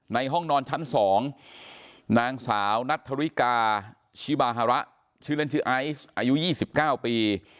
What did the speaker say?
ห้องนอนชั้น๒นางสาวนัทธริกาชิบาฮาระชื่อเล่นชื่อไอซ์อายุ๒๙ปี